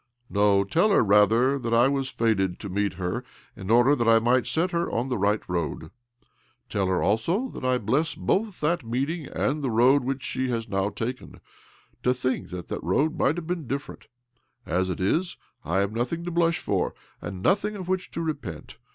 " No, tell her, rather, that I was fated to meet her, in order that I might set her on the right road. Tell her also that I bless 244 OBLOMOV both that meeting and the road which she has now taken. To think that that road might have been different I As it is, I have nothing to blush for, and nothing of which to repent.